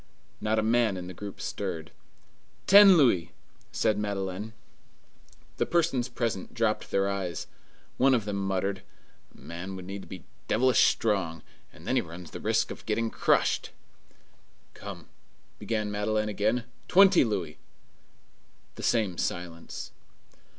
Not a man in the group stirred. "Ten louis," said Madeleine. The persons present dropped their eyes. One of them muttered: "A man would need to be devilish strong. And then he runs the risk of getting crushed!" "Come," began Madeleine again, "twenty louis." The same silence.